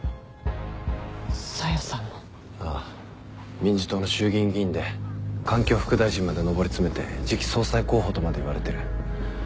民事党の衆議院議員で環境副大臣まで上り詰めて次期総裁候補とまで言われてる。